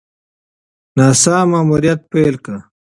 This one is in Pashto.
ناسا ماموریت پیل کړی.